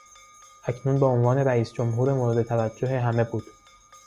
اکنون به عنوان رئیس جمهور مورد توجه همه بود.